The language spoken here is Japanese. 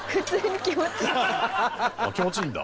気持ちいいんだ。